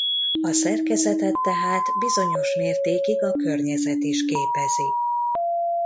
A szerkezetet tehát bizonyos mértékig a környezet is képezi.